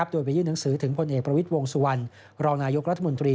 โดยไปยื่นหนังสือถึงพลเอกประวิทย์วงสุวรรณรองนายกรัฐมนตรี